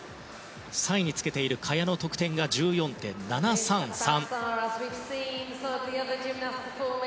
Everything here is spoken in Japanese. ３位につけている萱の得点が１４．７３３。